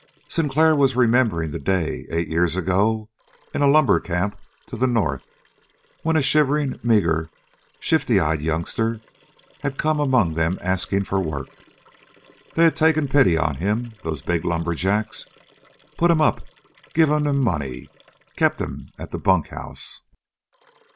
Sinclair was remembering the day, eight years ago, in a lumber camp to the north when a shivering, meager, shifty eyed youngster had come among them asking for work. They had taken pity on him, those big lumberjacks, put him up, given him money, kept him at the bunk house.